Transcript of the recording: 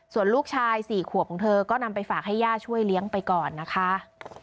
ส่วนลูกชาย๔ขวบของเธอก็นำไปฝากให้ย่าช่วยเลี้ยงไปก่อนนะคะ